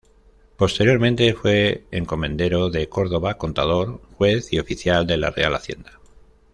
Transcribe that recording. Posteriormente fue encomendero de Córdoba, contador, juez y oficial de la Real Hacienda.